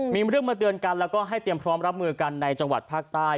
มีเรื่องมาเตือนกันแล้วก็ให้เตรียมพร้อมรับมือกันในจังหวัดภาคใต้